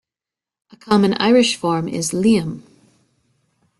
A common Irish form is "Liam".